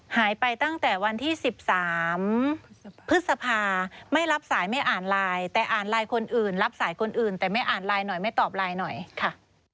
หายไปตั้งแต่วันที่๑๓พฤษภาไม่รับสายไม่อ่านไลน์แต่อ่านไลน์คนอื่นรับสายคนอื่นแต่ไม่อ่านไลน์หน่อยไม่ตอบไลน์หน่อยค่ะ